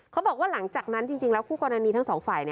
เขาบอกว่าหลังจากนั้นจริงแล้วคู่กรณีทั้งสองฝ่าย